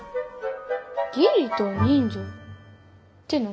義理と人情って何？